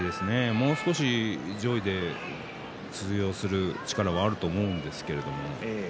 もう少し上位で通用する力はあると思うんですけどね。